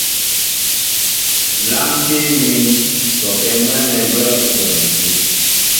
Lánkí mín sɔkɛ́ nɛ́nɛ́ gwɛ́ ú bonɛkí.